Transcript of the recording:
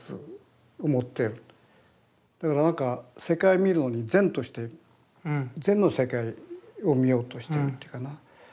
だから何か世界見るのに善として善の世界を見ようとしてるっていうかな。